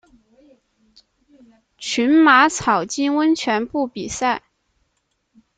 群马草津温泉部比赛。